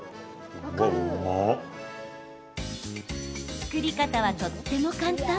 作り方は、とっても簡単。